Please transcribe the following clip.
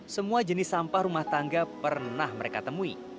semua jenis sampah rumah tangga pernah mereka temui